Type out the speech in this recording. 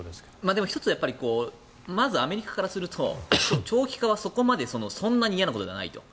でも１つはまずアメリカからすると長期化はそんなに嫌なことではないと。